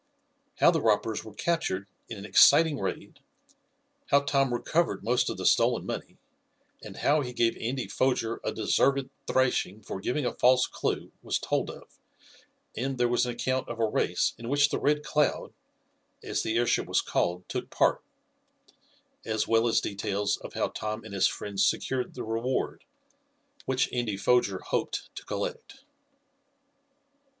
How the robbers were captured in an exciting raid, how Tom recovered most of the stolen money, and how he gave Andy Foger a deserved thrashing for giving a false clue was told of, and there was an account of a race in which the Red Cloud (as the airship was called) took part, as well as details of how Tom and his friends secured the reward, which Andy Foger hoped to collect.